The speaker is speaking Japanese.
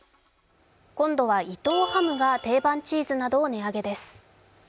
今度は伊藤ハムが定番チーズなどを値上げです。